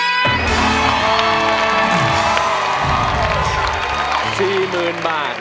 ตอนนี้รับแล้วค่ะ๔๐๐๐๐บาท